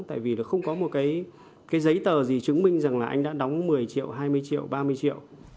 tại vì là không có một cái giấy tờ gì chứng minh rằng là anh đã đóng một mươi triệu hai mươi triệu ba mươi triệu